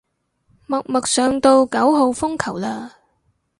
默默上到九號風球嘞